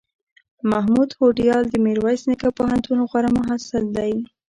محمود هوډیال دمیرویس نیکه پوهنتون غوره محصل دی